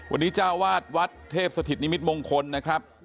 วันนี้เจ้าวาดวัดเทพสถิตนิมิตมงคลนะครับ